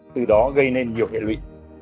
từ đó gây nên nhiều hệ lụy